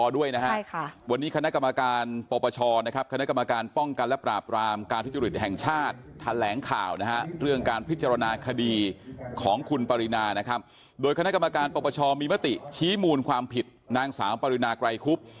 โดยคณะกรรมการปปชมีมติชี้มูลความผิดนางสาวปรินาไกรคุบ